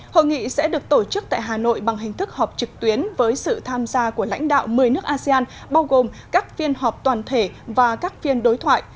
hội nghị sẽ được tổ chức tại hà nội bằng hình thức họp trực tuyến với sự tham gia của lãnh đạo một mươi nước asean bao gồm các phiên họp toàn thể và các phiên đối thoại